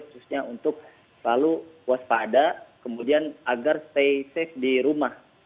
khususnya untuk selalu waspada kemudian agar stay safe di rumah